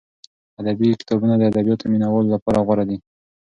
ادبي کتابونه د ادبیاتو مینه والو لپاره غوره دي.